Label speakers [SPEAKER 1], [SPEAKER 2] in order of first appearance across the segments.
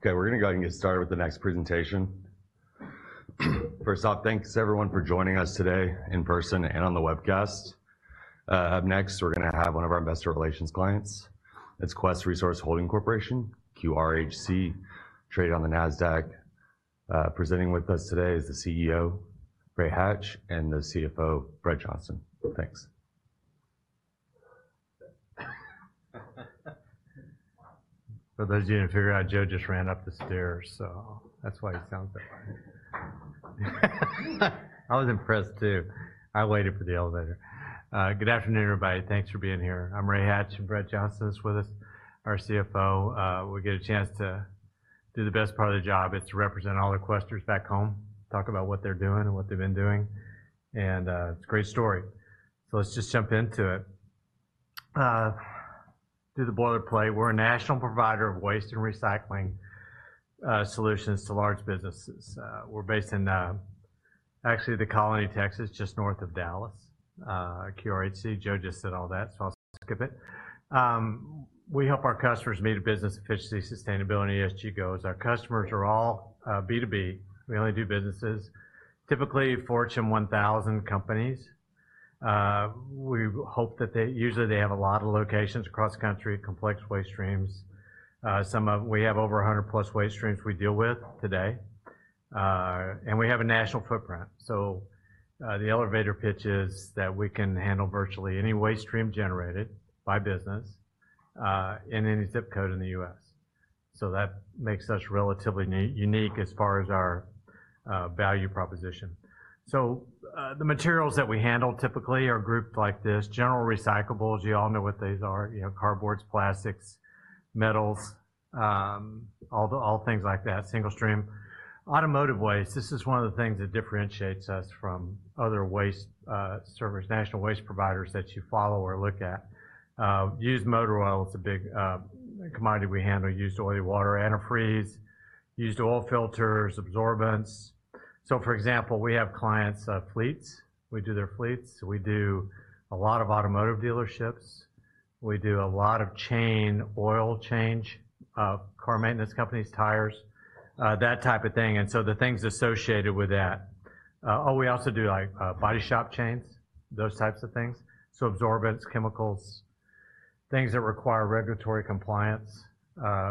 [SPEAKER 1] Okay, we're gonna go ahead and get started with the next presentation. First off, thanks everyone for joining us today in person and on the webcast. Up next, we're gonna have one of our investor relations clients. It's Quest Resource Holding Corporation, QRHC, traded on the Nasdaq. Presenting with us today is the CEO, Ray Hatch, and the CFO, Brett Johnson. Thanks.
[SPEAKER 2] For those of you who didn't figure it out, Joe just ran up the stairs, so that's why he sounds that way. I was impressed, too. I waited for the elevator. Good afternoon, everybody. Thanks for being here. I'm Ray Hatch, and Brett Johnston is with us, our CFO. We'll get a chance to do the best part of the job, is to represent all the Questers back home, talk about what they're doing and what they've been doing, and it's a great story. So let's just jump into it. Do the boilerplate. We're a national provider of waste and recycling solutions to large businesses. We're based in actually, The Colony, Texas, just north of Dallas, QRHC. Joe just said all that, so I'll skip it. We help our customers meet a business efficiency, sustainability, ESG goals. Our customers are all B2B. We only do businesses, typically Fortune 1000 companies. Usually they have a lot of locations across country, complex waste streams. We have over a hundred plus waste streams we deal with today, and we have a national footprint. The elevator pitch is that we can handle virtually any waste stream generated by business in any zip code in the US. So that makes us relatively unique as far as our value proposition. The materials that we handle typically are grouped like this: general recyclables, you all know what these are, you know, cardboards, plastics, metals, all things like that, single stream. Automotive waste, this is one of the things that differentiates us from other waste service, national waste providers that you follow or look at. Used motor oil, it's a big commodity we handle, used oily water, antifreeze, used oil filters, absorbents. So, for example, we have clients, fleets. We do their fleets. We do a lot of automotive dealerships. We do a lot of chain, oil change, car maintenance companies, tires, that type of thing, and so the things associated with that. Oh, we also do, like, body shop chains, those types of things, so absorbents, chemicals, things that require regulatory compliance.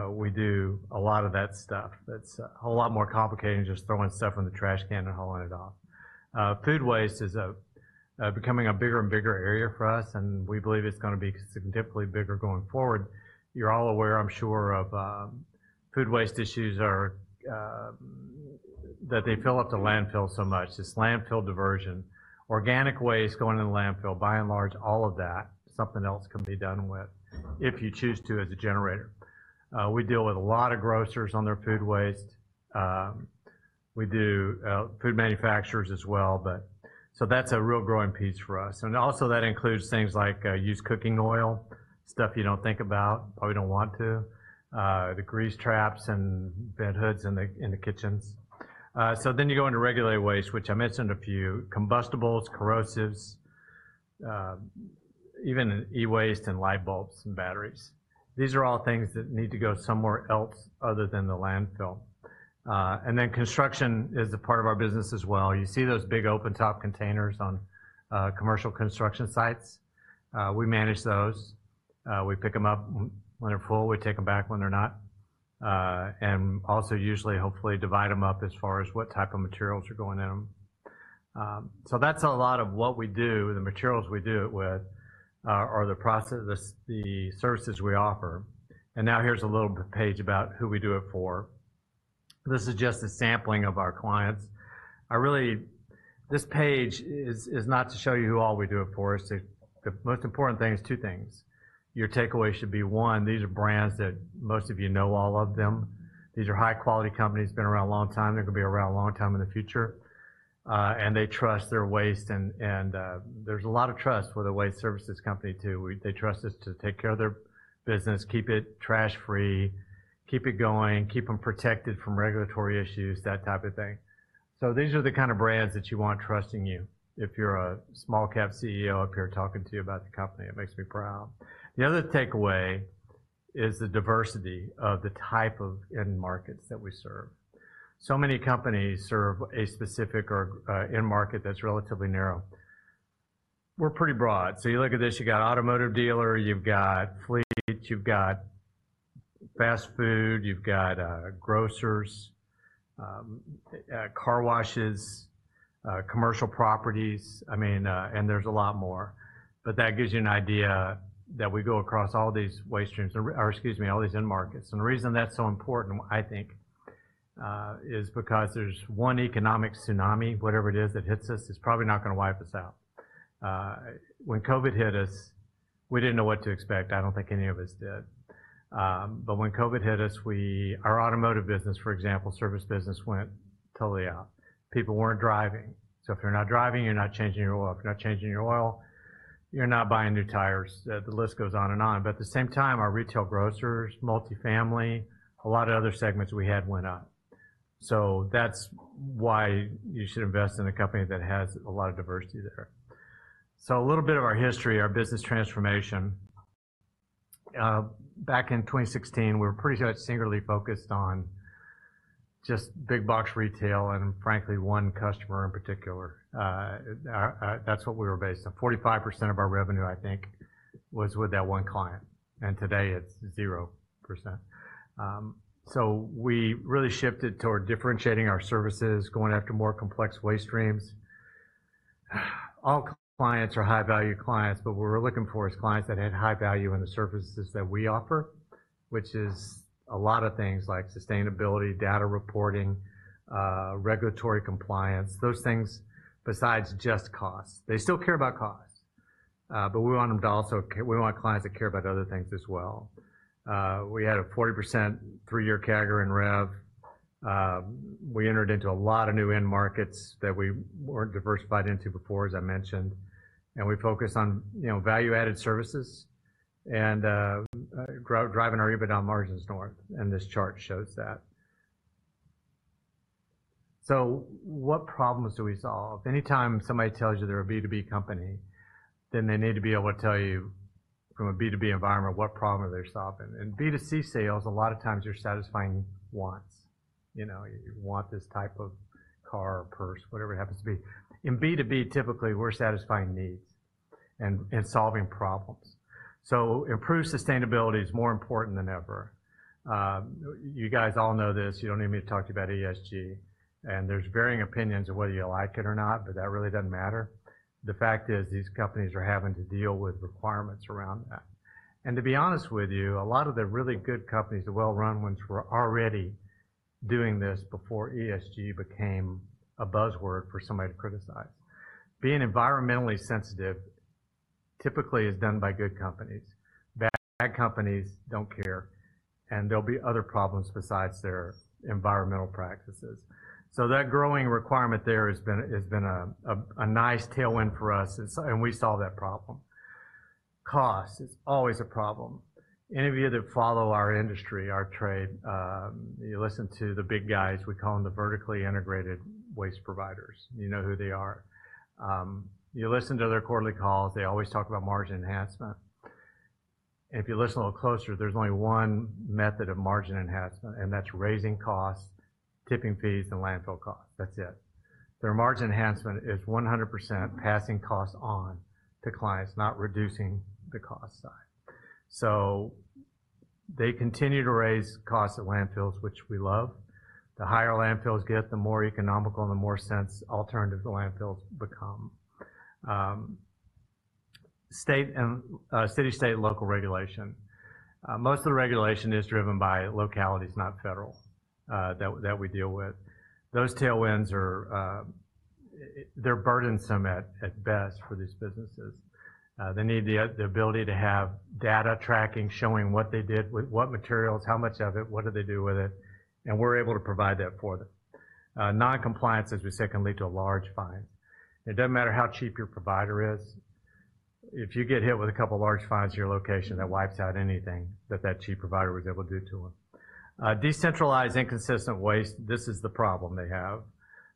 [SPEAKER 2] We do a lot of that stuff. That's a whole lot more complicated than just throwing stuff in the trash can and hauling it off. Food waste is becoming a bigger and bigger area for us, and we believe it's gonna be significantly bigger going forward. You're all aware, I'm sure, of food waste issues are that they fill up the landfill so much, this landfill diversion. Organic waste going in the landfill, by and large, all of that, something else can be done with if you choose to as a generator. We deal with a lot of grocers on their food waste. We do food manufacturers as well, but so that's a real growing piece for us. And also that includes things like used cooking oil, stuff you don't think about or you don't want to, the grease traps and vent hoods in the kitchens. So then you go into regulated waste, which I mentioned a few, combustibles, corrosives, even e-waste and light bulbs and batteries. These are all things that need to go somewhere else other than the landfill. And then construction is a part of our business as well. You see those big open-top containers on commercial construction sites? We manage those. We pick them up when they're full, we take them back when they're not, and also usually, hopefully, divide them up as far as what type of materials are going in them. So that's a lot of what we do, the materials we do it with, or the process, the services we offer. And now here's a little page about who we do it for. This is just a sampling of our clients. This page is not to show you who all we do it for. So the most important thing is two things. Your takeaway should be, one, these are brands that most of you know all of them. These are high-quality companies, been around a long time. They're gonna be around a long time in the future, and they trust their waste and there's a lot of trust with a waste services company, too. They trust us to take care of their business, keep it trash-free, keep it going, keep them protected from regulatory issues, that type of thing. So these are the kind of brands that you want trusting you. If you're a small cap CEO up here talking to you about the company, it makes me proud. The other takeaway is the diversity of the type of end markets that we serve. So many companies serve a specific or end market that's relatively narrow. We're pretty broad. So you look at this, you got automotive dealer, you've got fleet, you've got fast food, you've got grocers, car washes, commercial properties, I mean, and there's a lot more. But that gives you an idea that we go across all these waste streams, or, or excuse me, all these end markets. And the reason that's so important, I think, is because there's one economic tsunami, whatever it is that hits us, it's probably not gonna wipe us out. When COVID hit us, we didn't know what to expect. I don't think any of us did. But when COVID hit us, our automotive business, for example, service business, went totally out. People weren't driving. So if you're not driving, you're not changing your oil. If you're not changing your oil, you're not buying new tires. The list goes on and on. But at the same time, our retail grocers, multifamily, a lot of other segments we had went up. So that's why you should invest in a company that has a lot of diversity there. So a little bit of our history, our business transformation. Back in 2016, we were pretty much singularly focused on just big box retail and frankly, one customer in particular. That's what we were based on. 45% of our revenue, I think, was with that one client, and today it's 0%. So we really shifted toward differentiating our services, going after more complex waste streams. All clients are high-value clients, but what we're looking for is clients that had high value in the services that we offer, which is a lot of things like sustainability, data reporting, regulatory compliance, those things besides just cost. They still care about cost, but we want them to also we want clients that care about other things as well. We had a 40% three-year CAGR in rev. We entered into a lot of new end markets that we weren't diversified into before, as I mentioned, and we focus on, you know, value-added services and, driving our EBITDA margins north, and this chart shows that. So what problems do we solve? Anytime somebody tells you they're a B2B company, then they need to be able to tell you from a B2B environment, what problem are they solving? In B2C sales, a lot of times you're satisfying wants. You know, you want this type of car or purse, whatever it happens to be. In B2B, typically, we're satisfying needs and solving problems. So improved sustainability is more important than ever. You guys all know this. You don't need me to talk to you about ESG, and there's varying opinions of whether you like it or not, but that really doesn't matter. The fact is, these companies are having to deal with requirements around that. And to be honest with you, a lot of the really good companies, the well-run ones, were already doing this before ESG became a buzzword for somebody to criticize. Being environmentally sensitive typically is done by good companies. Bad companies don't care, and there'll be other problems besides their environmental practices. So that growing requirement there has been a nice tailwind for us, and so we solve that problem. Cost is always a problem. Any of you that follow our industry, our trade, you listen to the big guys, we call them the vertically integrated waste providers. You know who they are. You listen to their quarterly calls, they always talk about margin enhancement. If you listen a little closer, there's only one method of margin enhancement, and that's raising costs, tipping fees, and landfill costs. That's it. Their margin enhancement is 100% passing costs on to clients, not reducing the cost side. So they continue to raise costs at landfills, which we love. The higher landfills get, the more economical and the more sense alternative to landfills become. State and city, state, and local regulation. Most of the regulation is driven by localities, not federal, that we deal with. Those tailwinds are, they're burdensome at best for these businesses. They need the ability to have data tracking, showing what they did, with what materials, how much of it, what do they do with it, and we're able to provide that for them. Non-compliance, as we said, can lead to a large fine. It doesn't matter how cheap your provider is, if you get hit with a couple large fines at your location, that wipes out anything that that cheap provider was able to do to them. Decentralized, inconsistent waste, this is the problem they have.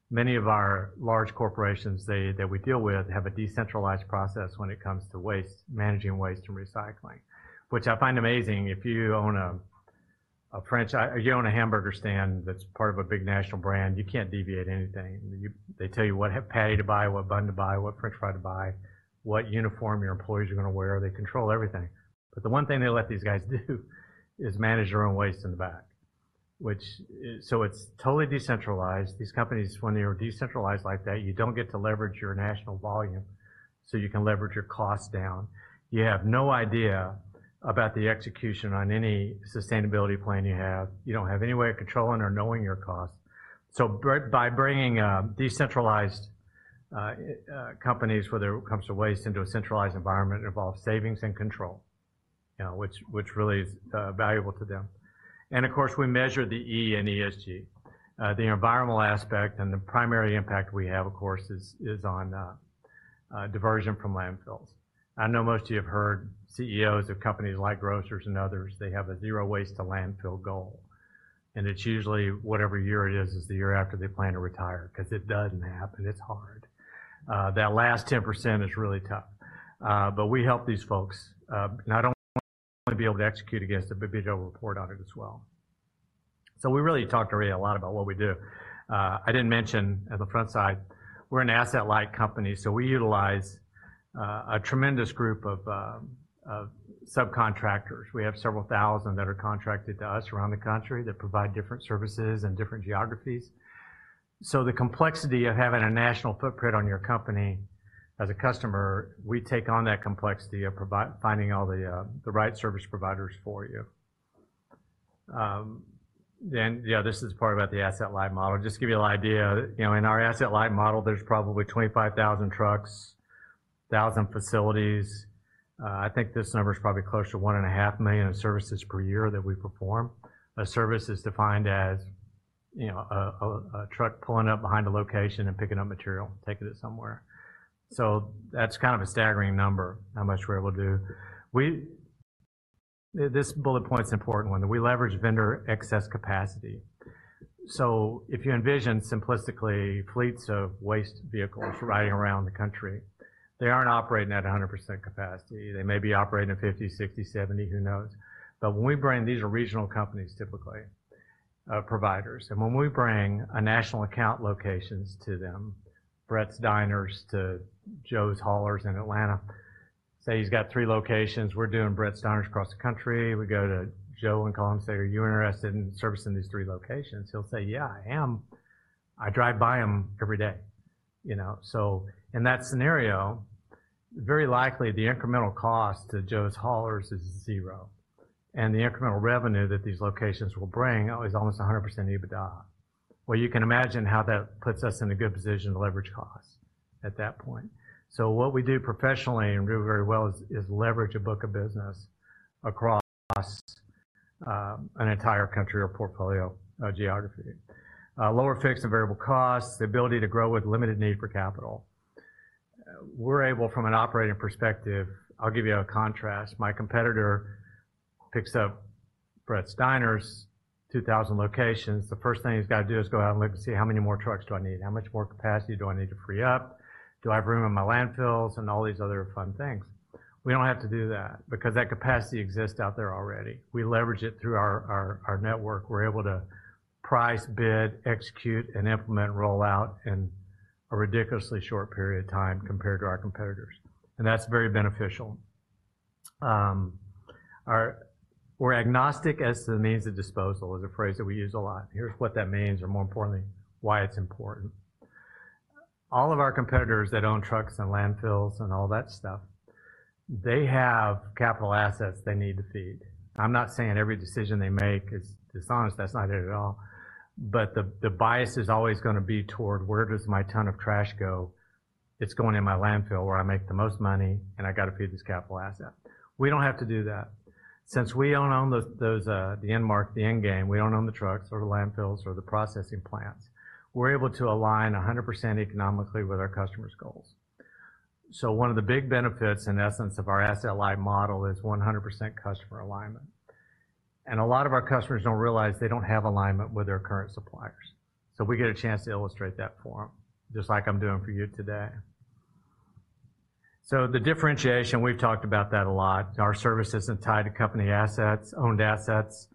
[SPEAKER 2] Many of our large corporations that we deal with, have a decentralized process when it comes to waste, managing waste and recycling, which I find amazing. If you own a franchise, if you own a hamburger stand that's part of a big national brand, you can't deviate anything. You. They tell you what patty to buy, what bun to buy, what french fry to buy, what uniform your employees are gonna wear. They control everything. But the one thing they let these guys do is manage their own waste in the back, which is. So it's totally decentralized. These companies, when they are decentralized like that, you don't get to leverage your national volume, so you can leverage your costs down. You have no idea about the execution on any sustainability plan you have. You don't have any way of controlling or knowing your costs. So by bringing decentralized companies, whether it comes to waste, into a centralized environment involves savings and control, which really is valuable to them. And of course, we measure the E in ESG. The environmental aspect and the primary impact we have, of course, is on diversion from landfills. I know most of you have heard CEOs of companies like grocers and others. They have a zero waste to landfill goal, and it's usually whatever year it is, the year after they plan to retire, 'cause it doesn't happen. It's hard. That last 10% is really tough. But we help these folks not only be able to execute against it, but be able to report on it as well. So we really talked already a lot about what we do. I didn't mention at the front side, we're an asset-light company, so we utilize a tremendous group of subcontractors. We have several thousand that are contracted to us around the country that provide different services in different geographies. So the complexity of having a national footprint on your company as a customer, we take on that complexity of finding all the right service providers for you. Then, yeah, this is part about the asset-light model. Just to give you an idea, you know, in our asset-light model, there's probably 25,000 trucks, 1,000 facilities. I think this number is probably close to 1.5 million services per year that we perform. A service is defined as, you know, a truck pulling up behind a location and picking up material, taking it somewhere. So that's kind of a staggering number, how much we're able to do. This bullet point is an important one. We leverage vendor excess capacity. So if you envision simplistically fleets of waste vehicles riding around the country, they aren't operating at 100% capacity. They may be operating at 50, 60, 70, who knows? But when we bring, these are regional companies, typically, providers. And when we bring a national account locations to them, Brett's Diners to Joe's Haulers in Atlanta. Say, he's got three locations, we're doing Brett's Diners across the country. We go to Joe and call him and say, "Are you interested in servicing these three locations?" He'll say, "Yeah, I am. I drive by them every day." You know, so in that scenario, very likely, the incremental cost to Joe's Haulers is zero, and the incremental revenue that these locations will bring is almost 100% EBITDA. Well, you can imagine how that puts us in a good position to leverage costs at that point. So what we do professionally and do very well is leverage a book of business across an entire country or portfolio geography. Lower fixed and variable costs, the ability to grow with limited need for capital. We're able, from an operating perspective... I'll give you a contrast. My competitor picks up Brett's Diners, 2,000 locations. The first thing he's got to do is go out and look to see how many more trucks do I need? How much more capacity do I need to free up? Do I have room in my landfills and all these other fun things? We don't have to do that because that capacity exists out there already. We leverage it through our network. We're able to price, bid, execute, and implement rollout in a ridiculously short period of time compared to our competitors, and that's very beneficial. Our, we're agnostic as to the means of disposal, is a phrase that we use a lot. Here's what that means, or more importantly, why it's important. All of our competitors that own trucks and landfills and all that stuff, they have capital assets they need to feed. I'm not saying every decision they make is dishonest, that's not it at all, but the bias is always going to be toward where does my ton of trash go? It's going in my landfill, where I make the most money, and I got to feed this capital asset. We don't have to do that. Since we don't own those, the end-market, the endgame, we don't own the trucks or the landfills or the processing plants, we're able to align 100% economically with our customer's goals. So one of the big benefits and essence of our asset-light model is 100% customer alignment, and a lot of our customers don't realize they don't have alignment with their current suppliers. So we get a chance to illustrate that for them, just like I'm doing for you today, so the differentiation, we've talked about that a lot. Our service isn't tied to company assets, owned assets.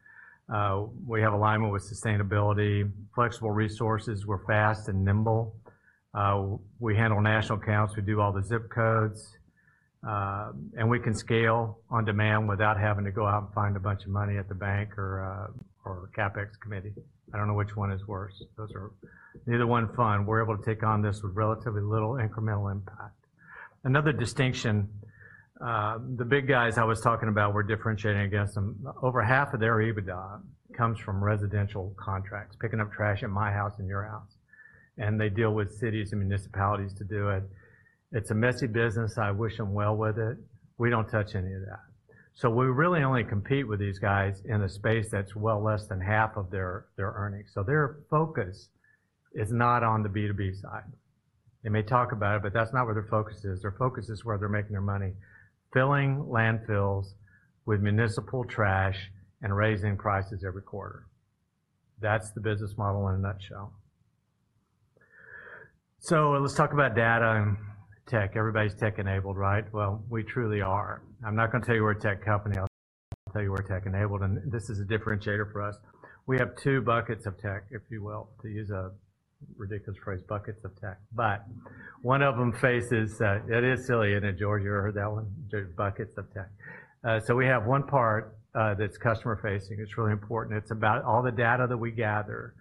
[SPEAKER 2] We have alignment with sustainability, flexible resources. We're fast and nimble. We handle national accounts, we do all the zip codes, and we can scale on demand without having to go out and find a bunch of money at the bank or, or CapEx committee. I don't know which one is worse. Those are neither one fun. We're able to take on this with relatively little incremental impact. Another distinction, the big guys I was talking about, we're differentiating against them. Over half of their EBITDA comes from residential contracts, picking up trash at my house and your house, and they deal with cities and municipalities to do it. It's a messy business. I wish them well with it. We don't touch any of that. So we really only compete with these guys in a space that's well less than half of their earnings. So their focus is not on the B2B side. They may talk about it, but that's not where their focus is. Their focus is where they're making their money, filling landfills with municipal trash and raising prices every quarter. That's the business model in a nutshell. So let's talk about data and tech. Everybody's tech-enabled, right? Well, we truly are. I'm not going to tell you we're a tech company. I'll tell you we're tech-enabled, and this is a differentiator for us. We have two buckets of tech, if you will, to use a ridiculous phrase, buckets of tech. But one of them faces. It is silly, isn't it, George? You ever heard that one, buckets of tech? So we have one part, that's customer-facing. It's really important. It's about all the data that we gather,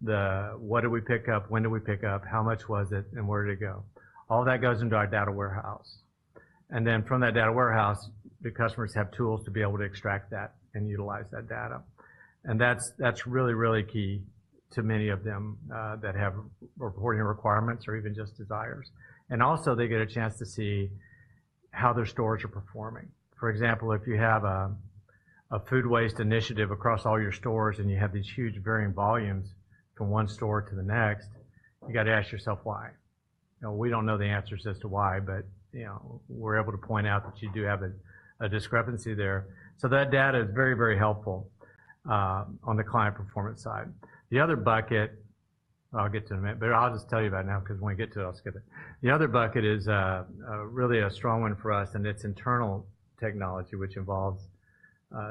[SPEAKER 2] the what do we pick up, when do we pick up, how much was it, and where did it go? All that goes into our data warehouse. Then from that data warehouse, the customers have tools to be able to extract that and utilize that data. That's really, really key to many of them that have reporting requirements or even just desires. Also, they get a chance to see how their stores are performing. For example, if you have a food waste initiative across all your stores, and you have these huge varying volumes from one store to the next, you got to ask yourself, why? We don't know the answers as to why, but you know, we're able to point out that you do have a discrepancy there. So that data is very, very helpful on the client performance side. The other bucket, I'll get to in a minute, but I'll just tell you about it now, because when I get to it, I'll skip it. The other bucket is really a strong one for us, and it's internal technology, which involves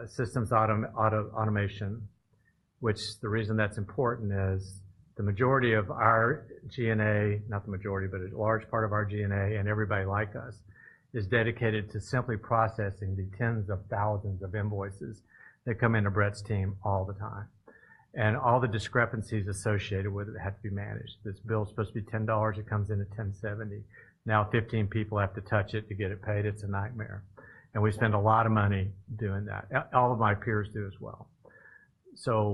[SPEAKER 2] systems automation, which the reason that's important is the majority of our G&A, not the majority, but a large part of our G&A and everybody like us, is dedicated to simply processing the tens of thousands of invoices that come into Brett's team all the time, and all the discrepancies associated with it have to be managed. This bill is supposed to be $10, it comes in at $10.70. Now, 15 people have to touch it to get it paid. It's a nightmare, and we spend a lot of money doing that. All of my peers do as well.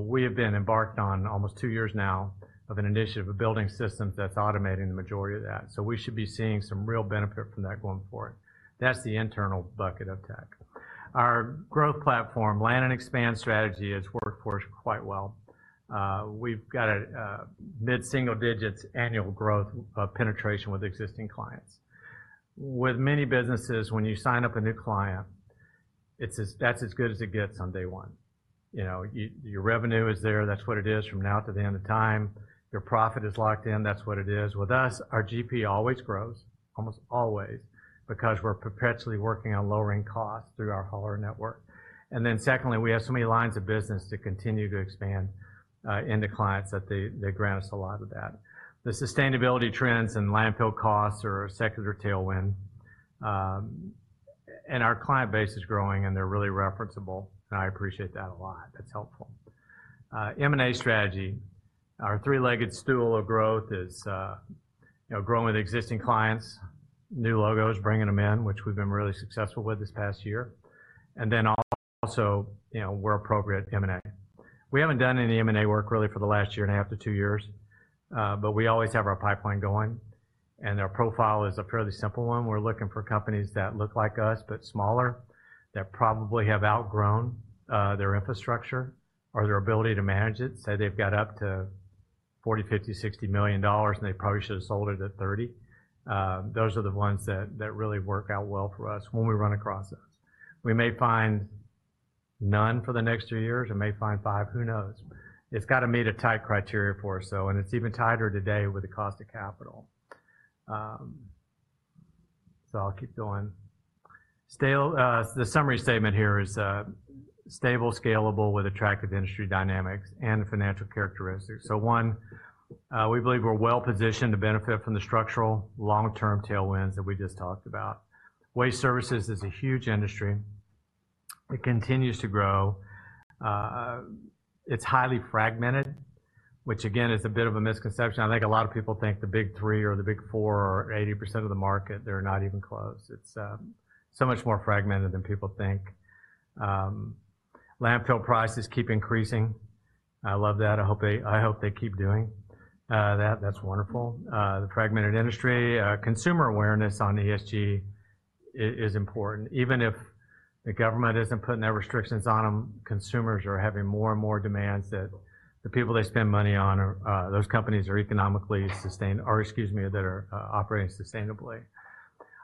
[SPEAKER 2] We have been embarked on almost two years now of an initiative of building systems that's automating the majority of that. We should be seeing some real benefit from that going forward. That's the internal bucket of tech. Our growth platform, land and expand strategy, has worked for us quite well. We've got a mid-single digits annual growth penetration with existing clients. With many businesses, when you sign up a new client, that's as good as it gets on day one. You know, your revenue is there, that's what it is from now to the end of time. Your profit is locked in, that's what it is. With us, our GP always grows, almost always, because we're perpetually working on lowering costs through our hauler network. And then secondly, we have so many lines of business to continue to expand into clients, that they grant us a lot of that. The sustainability trends and landfill costs are a secular tailwind. And our client base is growing, and they're really referenceable, and I appreciate that a lot. That's helpful. M&A strategy. Our three-legged stool of growth is, you know, growing with existing clients, new logos, bringing them in, which we've been really successful with this past year, and then also, you know, we're appropriate M&A. We haven't done any M&A work really for the last year and a half to two years, but we always have our pipeline going, and their profile is a fairly simple one. We're looking for companies that look like us, but smaller, that probably have outgrown their infrastructure or their ability to manage it. Say they've got up to $40-$60 million, and they probably should have sold it at $30 million. Those are the ones that really work out well for us when we run across them. We may find none for the next 2 years, or may find 5, who knows? It's got to meet a tight criteria for us, and it's even tighter today with the cost of capital. Stable. The summary statement here is stable, scalable, with attractive industry dynamics and financial characteristics. So one, we believe we're well positioned to benefit from the structural long-term tailwinds that we just talked about. Waste services is a huge industry. It continues to grow. It's highly fragmented, which again, is a bit of a misconception. I think a lot of people think the Big Three or the Big Four are 80% of the market. They're not even close. It's so much more fragmented than people think. Landfill prices keep increasing. I love that. I hope they keep doing that. That's wonderful. The fragmented industry, consumer awareness on ESG is important. Even if the government isn't putting their restrictions on them, consumers are having more and more demands that the people they spend money on, or those companies are economically sustained, or excuse me, that are operating sustainably.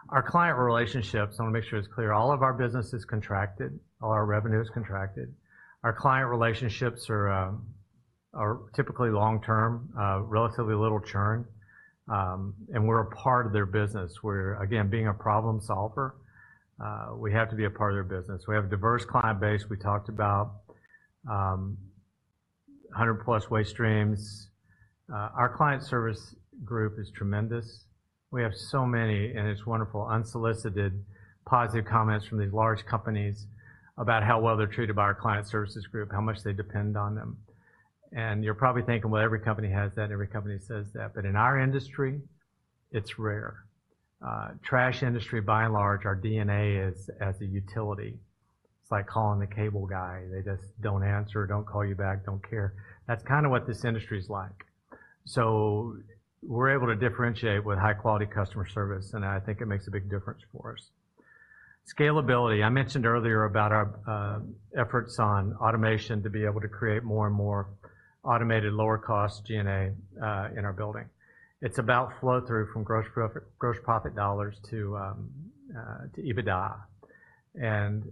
[SPEAKER 2] Our client relationships, I want to make sure it's clear, all of our business is contracted, all our revenue is contracted. Our client relationships are typically long term, relatively little churn, and we're a part of their business. We're, again, being a problem solver, we have to be a part of their business. We have a diverse client base. We talked about a hundred plus waste streams. Our client service group is tremendous. We have so many, and it's wonderful, unsolicited, positive comments from these large companies about how well they're treated by our client services group, how much they depend on them. And you're probably thinking, well, every company has that, every company says that. But in our industry, it's rare. Trash industry, by and large, our DNA is as a utility. It's like calling the cable guy. They just don't answer, don't call you back, don't care. That's kinda what this industry is like. So we're able to differentiate with high-quality customer service, and I think it makes a big difference for us. Scalability. I mentioned earlier about our efforts on automation to be able to create more and more automated, lower-cost GA in our building. It's about flow through from gross profit dollars to EBITDA, and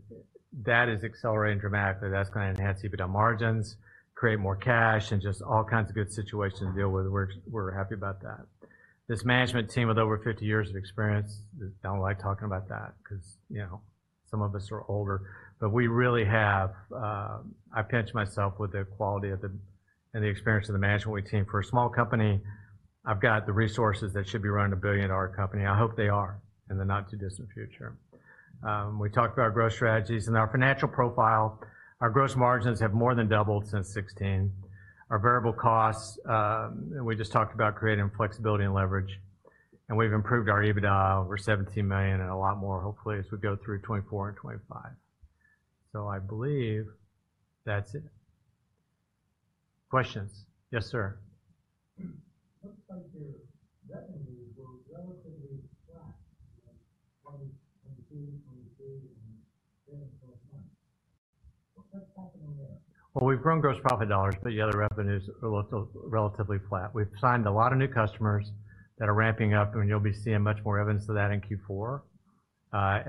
[SPEAKER 2] that is accelerating dramatically. That's gonna enhance EBITDA margins, create more cash, and just all kinds of good situations to deal with. We're happy about that. This management team with over fifty years of experience, I don't like talking about that because, you know, some of us are older, but we really have. I pinch myself with the quality of the, and the experience of the management team. For a small company, I've got the resources that should be running a billion-dollar company. I hope they are in the not-too-distant future. We talked about growth strategies and our financial profile. Our gross margins have more than doubled since 2016. Our variable costs, and we just talked about creating flexibility and leverage, and we've improved our EBITDA over $17 million and a lot more, hopefully, as we go through 2024 and 2025. So I believe that's it. Questions? Yes, sir.
[SPEAKER 3] Looks like your revenues were relatively flat from between 2023 and 10 months. What's happening there?
[SPEAKER 2] We've grown gross profit dollars, but the other revenues are relatively flat. We've signed a lot of new customers that are ramping up, and you'll be seeing much more evidence of that in Q4.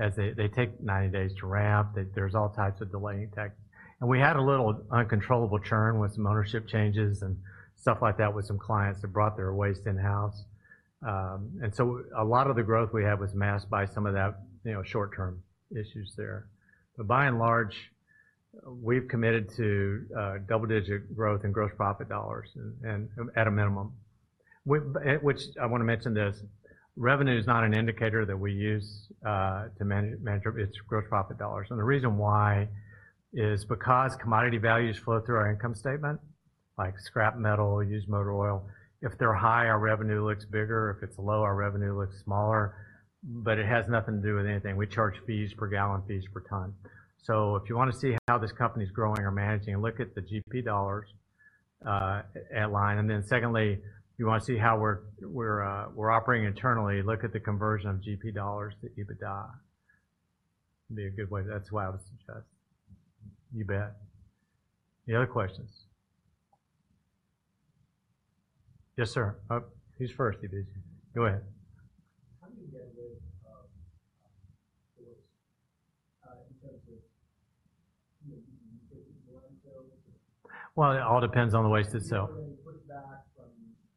[SPEAKER 2] As they take ninety days to ramp, there's all types of delay in tech. We had a little uncontrollable churn with some ownership changes and stuff like that, with some clients that brought their waste in-house. A lot of the growth we have was masked by some of that, you know, short-term issues there. By and large, we've committed to double-digit growth in gross profit dollars and, at a minimum. Which, I want to mention this, revenue is not an indicator that we use to manage our... It's gross profit dollars. And the reason why is because commodity values flow through our income statement, like scrap metal, used motor oil. If they're high, our revenue looks bigger. If it's low, our revenue looks smaller, but it has nothing to do with anything. We charge fees per gallon, fees per ton. So if you want to see how this company is growing or managing, look at the GP dollars at line. And then secondly, if you want to see how we're operating internally, look at the conversion of GP dollars to EBITDA. Be a good way. That's what I would suggest. You bet. Any other questions? Yes, sir. Who's first? Go ahead.
[SPEAKER 4] How do you get rid of, in terms of, you know?
[SPEAKER 2] It all depends on the waste itself.
[SPEAKER 4] Do you get any pushback from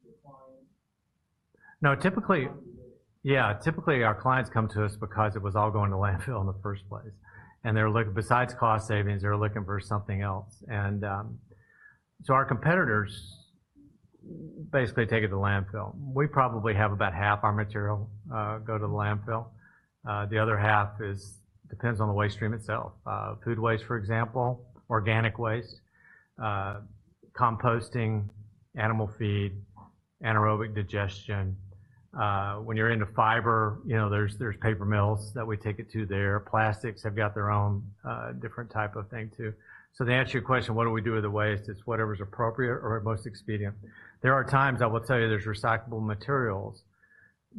[SPEAKER 4] the client?
[SPEAKER 2] No, typically. Yeah, typically, our clients come to us because it was all going to landfill in the first place, and besides cost savings, they're looking for something else, so our competitors basically take it to landfill. We probably have about half our material go to the landfill. The other half depends on the waste stream itself. Food waste, for example, organic waste, composting, animal feed, anaerobic digestion. When you're into fiber, you know, there's paper mills that we take it to there. Plastics have got their own different type of thing, too. So to answer your question, what do we do with the waste? It's whatever's appropriate or most expedient. There are times I will tell you there's recyclable materials,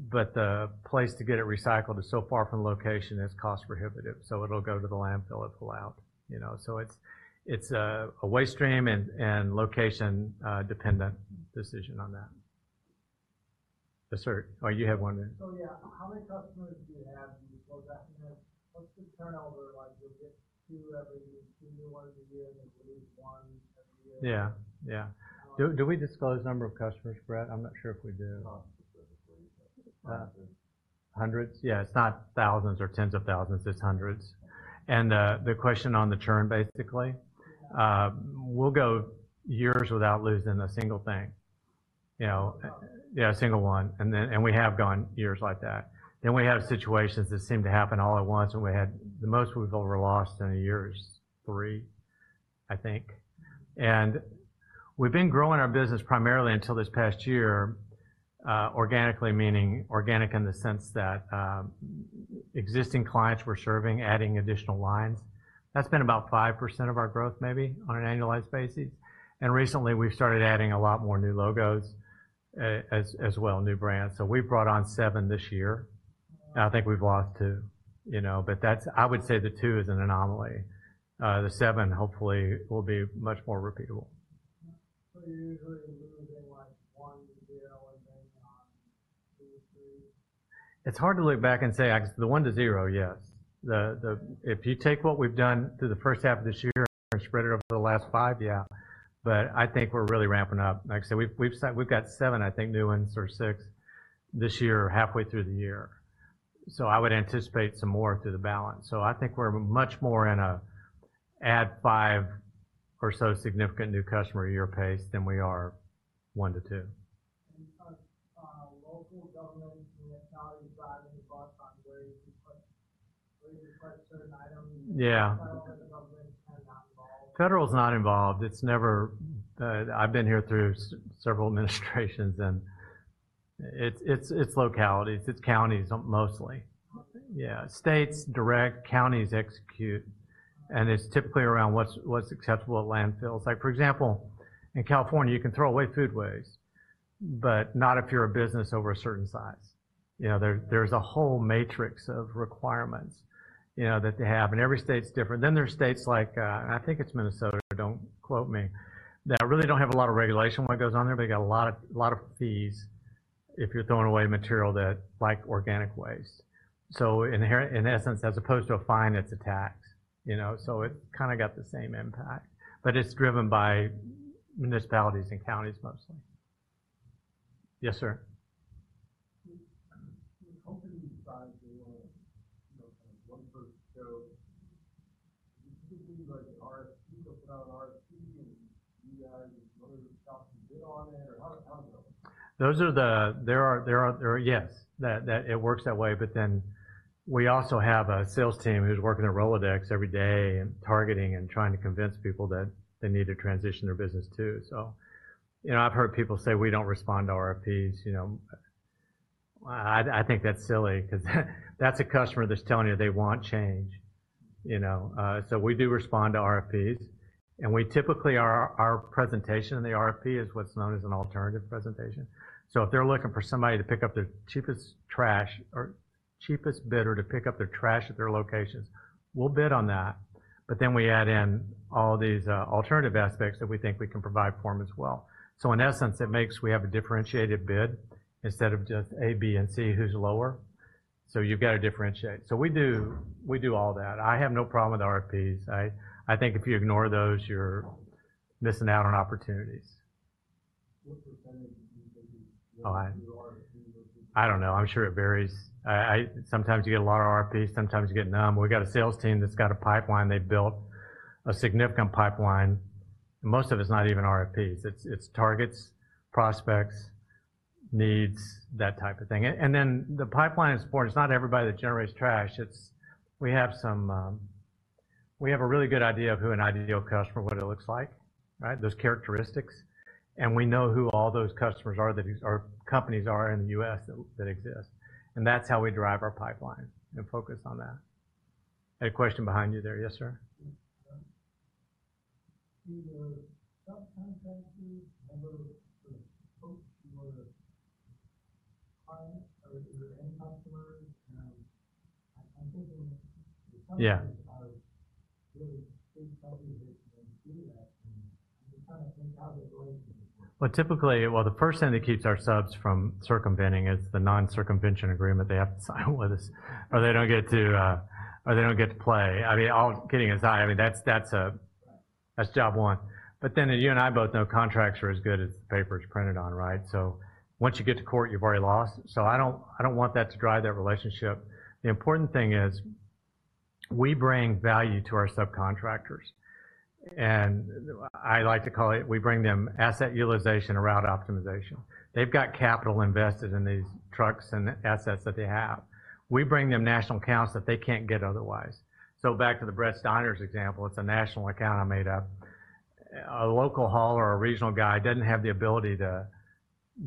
[SPEAKER 2] but the place to get it recycled is so far from the location, it's cost prohibitive, so it'll go to the landfill if allowed. You know, so it's a waste stream and location dependent decision on that. Yes, sir. Oh, you have one there.
[SPEAKER 4] Yeah. How many customers do you have before that? What's the turnover like? Do you get two new ones a year, and then lose one every year?
[SPEAKER 2] Yeah, yeah.
[SPEAKER 4] Um-
[SPEAKER 2] Do we disclose number of customers, Brett? I'm not sure if we do.
[SPEAKER 5] Not specifically, but hundreds.
[SPEAKER 2] Hundreds? Yeah, it's not thousands or tens of thousands, it's hundreds.
[SPEAKER 4] Okay.
[SPEAKER 2] The question on the churn, basically.
[SPEAKER 4] Yeah.
[SPEAKER 2] We'll go years without losing a single thing, you know?
[SPEAKER 4] Wow!
[SPEAKER 2] Yeah, a single one. And then, and we have gone years like that. Then we have situations that seem to happen all at once, and we had. The most we've ever lost in a year is three, I think. And we've been growing our business primarily until this past year, organically, meaning organic in the sense that, existing clients we're serving, adding additional lines. That's been about 5% of our growth, maybe, on an annualized basis. And recently, we've started adding a lot more new logos, as well, new brands. So we've brought on seven this year, and I think we've lost two. You know, but that's. I would say the two is an anomaly. The seven, hopefully, will be much more repeatable.
[SPEAKER 4] So you're usually losing, like, one to zero, and then, two to three?
[SPEAKER 2] It's hard to look back and say, the one to zero, yes. The... If you take what we've done through the first half of this year and spread it over the last five, yeah, but I think we're really ramping up. Like I said, we've got seven, I think, new ones or six this year, halfway through the year, so I would anticipate some more through the balance, so I think we're much more in a add five or so significant new customer a year pace than we are one to two.
[SPEAKER 4] And because local governments and municipalities driving the bus on where you put a certain item-
[SPEAKER 2] Yeah.
[SPEAKER 4] Federal government is not involved?
[SPEAKER 2] Federal is not involved. It's never. I've been here through several administrations, and it's localities, it's counties, mostly.
[SPEAKER 4] Okay.
[SPEAKER 2] Yeah. States direct, counties execute, and it's typically around what's acceptable at landfills. Like, for example, in California, you can throw away food waste, but not if you're a business over a certain size. You know, there, there's a whole matrix of requirements, you know, that they have, and every state is different. Then there's states like, I think it's Minnesota, don't quote me, that really don't have a lot of regulation what goes on there. They got a lot of fees if you're throwing away material that, like organic waste. So, in essence, as opposed to a fine, it's a tax, you know, so it kinda got the same impact, but it's driven by municipalities and counties, mostly. Yes, sir.
[SPEAKER 4] The company decides they want, you know, kind of one per show. Do you think like RFP, you'll put out an RFP, and you guys and other stuff can bid on it, or how, how does it?
[SPEAKER 2] Yes, that it works that way, but then we also have a sales team who's working a Rolodex every day and targeting and trying to convince people that they need to transition their business, too. So, you know, I've heard people say, "We don't respond to RFPs," you know, I think that's silly because that's a customer that's telling you they want change, you know? So we do respond to RFPs, and we typically, our presentation in the RFP is what's known as an alternative presentation. So if they're looking for somebody to pick up their cheapest trash or cheapest bidder to pick up their trash at their locations, we'll bid on that, but then we add in all these, alternative aspects that we think we can provide for them as well. In essence, it makes we have a differentiated bid instead of just A, B, and C, who's lower? You've got to differentiate. We do, we do all that. I have no problem with RFPs. I think if you ignore those, you're missing out on opportunities.
[SPEAKER 4] What percentage would you say you-
[SPEAKER 2] Oh, I-...
[SPEAKER 4] RFP?
[SPEAKER 2] I don't know. I'm sure it varies. Sometimes you get a lot of RFPs, sometimes you get none. We got a sales team that's got a pipeline they've built, a significant pipeline. Most of it's not even RFPs. It's targets, prospects, needs, that type of thing. And then the pipeline is important. It's not everybody that generates trash. It's... We have a really good idea of who an ideal customer, what it looks like, right? Those characteristics. And we know who all those customers are that use or companies are in the U.S. that exist, and that's how we drive our pipeline and focus on that. I had a question behind you there. Yes, sir?
[SPEAKER 4] Do the subcontractors ever sort of approach your clients, or are there any customers, I'm thinking-
[SPEAKER 2] Yeah... Well, typically, the first thing that keeps our subs from circumventing is the non-circumvention agreement they have to sign with us, or they don't get to, or they don't get to play. I mean, all kidding aside, I mean, that's, that's, that's job one. But then, as you and I both know, contracts are as good as the paper it's printed on, right? So once you get to court, you've already lost. So I don't, I don't want that to drive that relationship. The important thing is we bring value to our subcontractors, and I like to call it, we bring them asset utilization and route optimization. They've got capital invested in these trucks and assets that they have. We bring them national accounts that they can't get otherwise. So back to the Brett's Diners example, it's a national account I made up. A local hauler or a regional guy doesn't have the ability to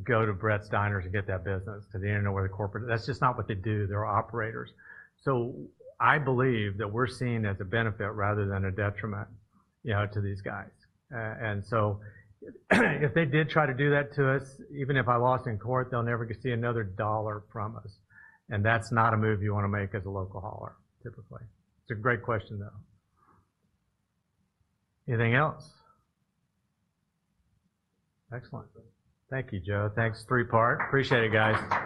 [SPEAKER 2] go to Brett's Diners and get that business because they don't know where the corporate... That's just not what they do. They're operators. So I believe that we're seen as a benefit rather than a detriment, you know, to these guys. And so, if they did try to do that to us, even if I lost in court, they'll never see another dollar from us, and that's not a move you wanna make as a local hauler, typically. It's a great question, though. Anything else?
[SPEAKER 4] Excellent.
[SPEAKER 2] Thank you, Joe. Thanks, Three Part. Appreciate it, guys.